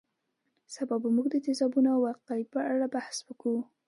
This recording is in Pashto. سبا به موږ د تیزابونو او القلي په اړه بحث کوو